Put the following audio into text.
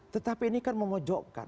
tetapi ini kan memojokkan